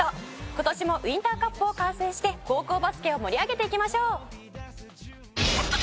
今年もウインターカップを観戦して高校バスケを盛り上げていきましょう！